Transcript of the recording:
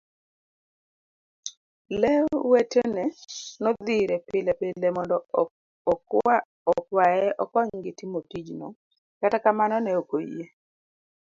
Lee wetene nodhi ire pilepile mondo okwaye okonygi timo tijno, kata kamano ne okoyie.